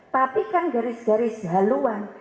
tapi kan garis garis haluan